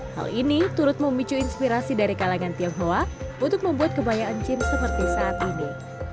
hal ini turut memicu inspirasi dari kalangan tionghoa untuk membuat kebaya encim seperti saat ini